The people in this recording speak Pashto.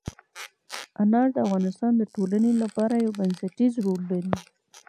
انار د افغانستان د ټولنې لپاره یو بنسټيز رول لري.